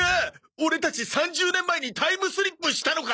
オレたち３０年前にタイムスリップしたのか！？